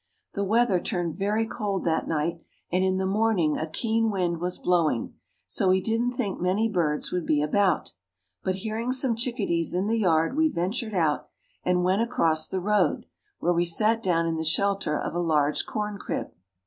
The weather turned very cold that night, and in the morning a keen wind was blowing, so we didn't think many birds would be about. But hearing some chickadees in the yard, we ventured out, and went across the road, where we sat down in the shelter of a large corncrib.